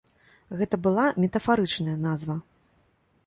Гэта была метафарычная назва.